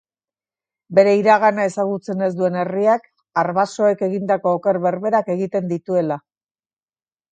Bere iragana ezagutzen ez duen herriak, arbasoek egindako oker berberak egiten dituela.